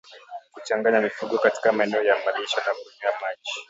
Kuchanganya mifugo katika maeneo ya malisho na kunywea maji